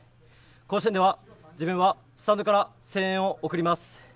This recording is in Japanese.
甲子園では、自分はスタンドから声援を送ります。